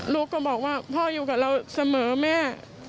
ลูกก็บอกว่าพ่ออยู่กับเราเสมอแม่